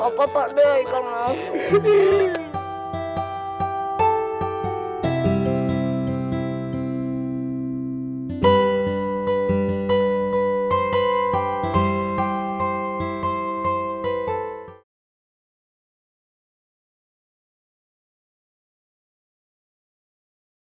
pak pak pak ade maaf